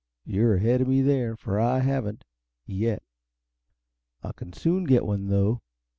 "You're ahead of me there, for I haven't yet. I can soon get one, though."